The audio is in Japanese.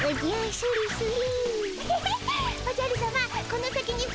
スリスリ。